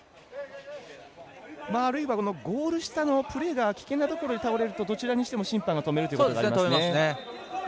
あるいはゴール下のプレーが危険なところに倒れるとどちらにしても審判が止めるということですね。